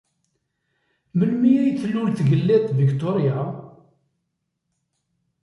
Melmi ay tlul Tgellidt Victoria?